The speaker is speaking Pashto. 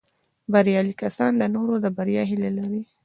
بریالي کسان د نورو د بریا هیله لري